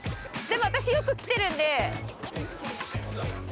私よく来てるんで。